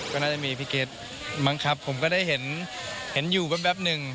ก็น่าจะมีพี่เกธมั้งครับผมก็ได้เห็นอยู่แบบนึง